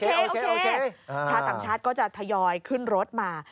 โอเคชาวต่างชาติก็จะทยอยขึ้นรถมา